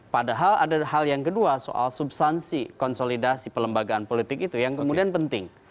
padahal ada hal yang kedua soal substansi konsolidasi pelembagaan politik itu yang kemudian penting